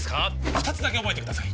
二つだけ覚えてください